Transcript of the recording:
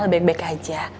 lebih baik aja